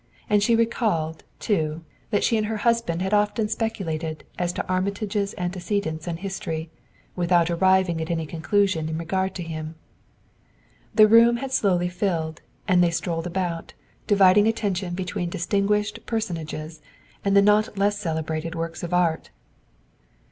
And she recalled, too, that she and her husband had often speculated as to Armitage's antecedents and history, without arriving at any conclusion in regard to him. The room had slowly filled and they strolled about, dividing attention between distinguished personages and the not less celebrated works of art.